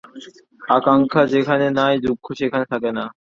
আকাঙ্ক্ষা যেখানে নাই, দুঃখ সেখানে থকে না।